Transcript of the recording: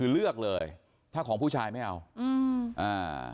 เลือกเลยถ้าของผู้ชายไม่เอา